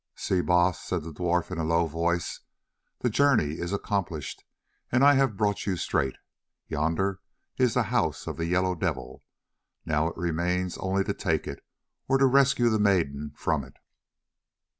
"See, Baas," said the dwarf in a low voice, "the journey is accomplished and I have brought you straight. Yonder is the house of the Yellow Devil—now it remains only to take it, or to rescue the maiden from it."